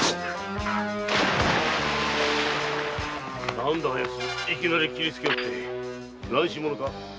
何だあやついきなり斬りつけおって乱心者か？